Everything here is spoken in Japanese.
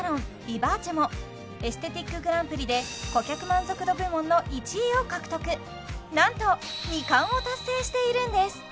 美ｖａｃｅもエステティックグランプリで顧客満足度部門の１位を獲得なんと２冠を達成しているんです